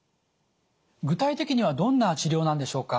具体的にはどんな治療なんでしょうか？